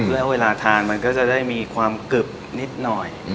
แล้วเวลาทานมันก็จะได้มีความกึบนิดหน่อย